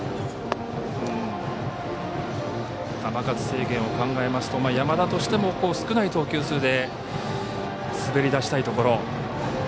球数制限を考えますと山田としても少ない投球数で滑り出したいところ。